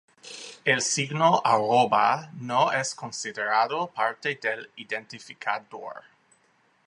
El signo arroba no es considerado parte del identificador.